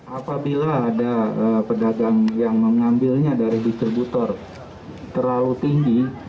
apabila ada pedagang yang mengambilnya dari distributor terlalu tinggi